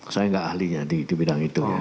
saya nggak ahlinya di bidang itu ya